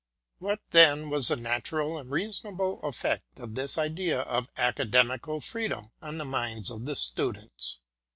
What, then, was the natural and reasonable effect of this idea of Academical Freedom on the minds of the Students?